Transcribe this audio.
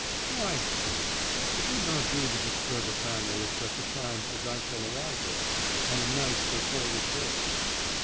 " Why," said I, " it would not do to disturb a family at such a time as I shall arrive there, on a night so cold as this."